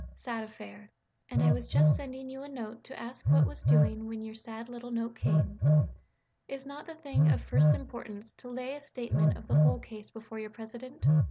sad affair. And I was just sending you a note to ask what was doing when your sad little note came. Is not the thing of first importance to lay a statement of the whole case before your President?